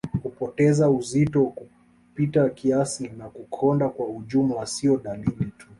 Kupoteza uzito kupita kiasi na kukonda kwa ujumla sio dalili tu